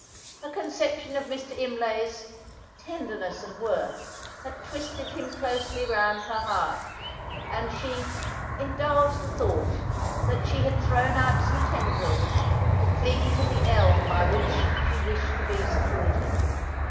Her conception of Mr. Imlay's "tenderness and worth, had twisted him closely round her heart;" and she "indulged the thought, that she had thrown out some tendrils, to cling to the elm by which she wished to be supported."